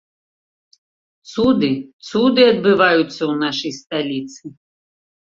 Цуды, цуды адбываюцца ў нашай сталіцы.